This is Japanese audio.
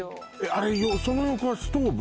あれその横はストーブ？